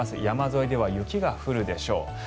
山沿いでは雪が降るでしょう。